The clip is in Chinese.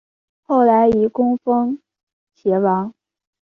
后来以功封偕王。